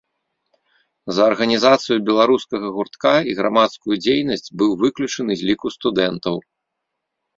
За арганізацыю беларускага гуртка і грамадскую дзейнасць быў выключаны з ліку студэнтаў.